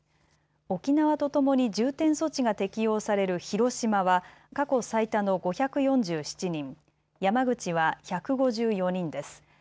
沖縄とともに重点措置が適用される広島は過去最多の５４７人、山口は１５４人です。